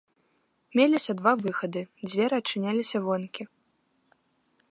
Меліся два выхады, дзверы адчыняліся вонкі.